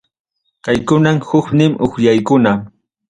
Kaykunam huknin upyaykuna.